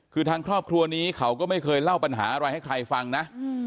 คือทางครอบครัวนี้เขาก็ไม่เคยเล่าปัญหาอะไรให้ใครฟังนะ